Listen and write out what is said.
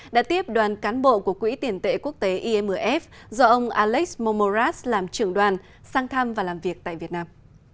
đã tiếp đoàn cán bộ của quỹ tiền tệ quốc tế imf do ông alex momoraz làm trưởng đoàn sang thăm và làm việc tại việt nam